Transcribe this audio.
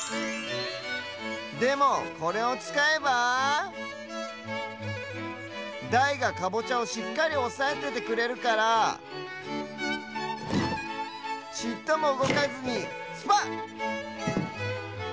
でもこれをつかえばだいがかぼちゃをしっかりおさえててくれるからちっともうごかずにスパッ！